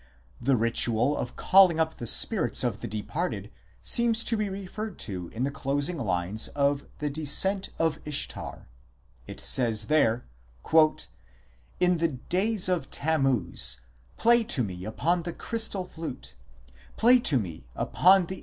2 The ritual of calling up the spirits of the departed seems to be referred to in the closing lines of the Descent of Ishtar ; it says there :" In the days of Tammuz, play to me upon the crystal flute, play to me upon the